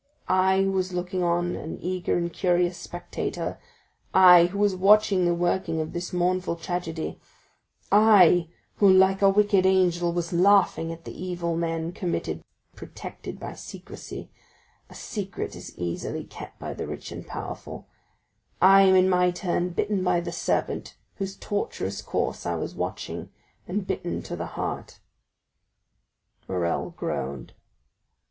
I, who was looking on, an eager and curious spectator,—I, who was watching the working of this mournful tragedy,—I, who like a wicked angel was laughing at the evil men committed protected by secrecy (a secret is easily kept by the rich and powerful), I am in my turn bitten by the serpent whose tortuous course I was watching, and bitten to the heart!" Morrel groaned.